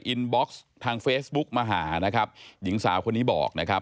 บ็อกซ์ทางเฟซบุ๊กมาหานะครับหญิงสาวคนนี้บอกนะครับ